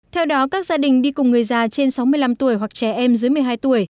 theo đó các gia đình đi cùng người già trên sáu mươi năm tuổi hoặc trẻ em dưới một mươi hai tuổi